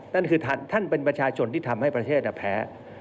นั่นคือท่านเป็นประชาชนที่ทำให้ประเทศแพ้